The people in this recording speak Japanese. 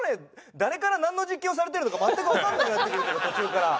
誰からなんの実験をされてるのか全くわからなくなってきて途中から。